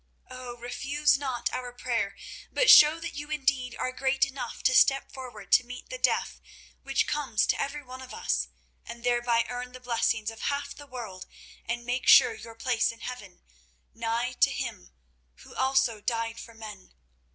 "Oh! refuse not our prayer, but show that you indeed are great enough to step forward to meet the death which comes to every one of us, and thereby earn the blessings of half the world and make sure your place in heaven, nigh to Him Who also died for men.